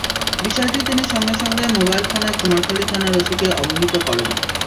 বিষয়টি তিনি সঙ্গে সঙ্গে মোবাইল ফোনে কুমারখালী থানার ওসিকে অবহিত করেন।